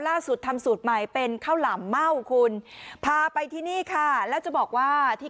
ล่าสุดทำสูตรใหม่เป็นข้าวหลามเม่าคุณพาไปที่นี่ค่ะแล้วจะบอกว่าที่